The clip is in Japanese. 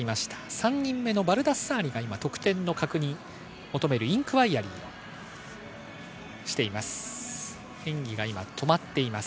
３人目のバルダッサーリが得点の確認を求めるインクワイアリーをしています。